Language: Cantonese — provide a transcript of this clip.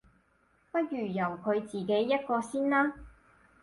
不如由佢自己一個先啦